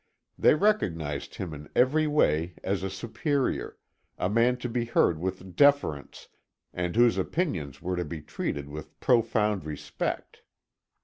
They recognized him in every way as a superior, a man to be heard with deference, and whose opinions were to be treated with profound respect.